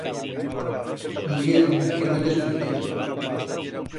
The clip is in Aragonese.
Muller, que no t'escuiten.